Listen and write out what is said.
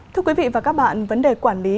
thưa quý vị và các bạn vấn đề quản lý